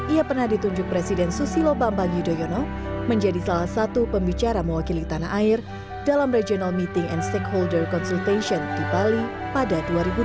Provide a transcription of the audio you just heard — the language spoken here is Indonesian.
ia pernah ditunjuk presiden susilo bambang yudhoyono menjadi salah satu pembicara mewakili tanah air dalam regional meeting and stakeholder consultation di bali pada dua ribu dua belas